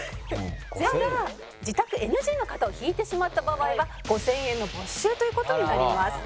ただ自宅ＮＧの方を引いてしまった場合は５０００円の没収という事になります。